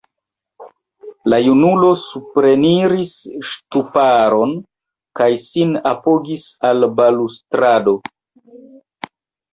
La junulo supreniris ŝtuparon, kaj sin apogis al balustrado.